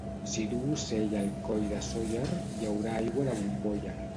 Si duu cella el coll de Sóller, hi haurà aigua de bombolla.